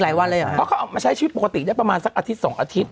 วันเลยเหรอเพราะเขาเอามาใช้ชีวิตปกติได้ประมาณสักอาทิตย์สองอาทิตย